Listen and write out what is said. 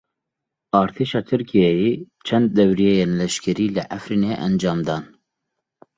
Artêşa Tirkiyeyê çend dewriyeyên leşkerî li Efrînê encam dan.